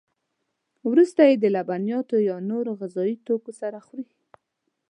وروسته یې د لبنیاتو یا نورو غذایي توکو سره خوري.